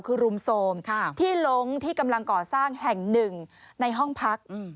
คือรุมโทรมที่ลงที่กำลังก่อสร้างแห่งหนึ่งในห้องพัก